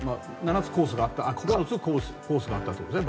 ９つコースがあったということですね。